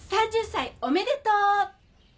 ３０歳おめでとう！